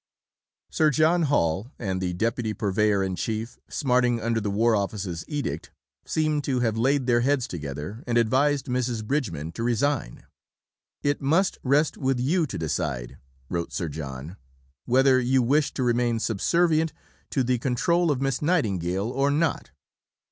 Sir John Hall and the Deputy Purveyor in Chief, smarting under the War Office's edict, seem to have laid their heads together, and advised Mrs. Bridgeman to resign. "It must rest with you to decide," wrote Sir John, "whether you wish to remain subservient to the control of Miss Nightingale or not."